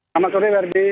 selamat sore berdi